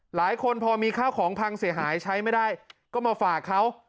หลายคนพอมีข้าวของพังเสียหายใช้ไม่ได้ก็มาฝากเขา